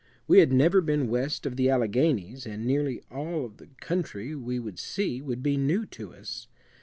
We had never been west of the Alleghanies, and nearly all the country we would see would be new to us.